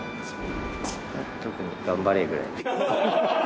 特に頑張れぐらい。